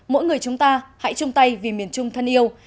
mỗi người chúng ta hãy chung tay vì miền trung thân yêu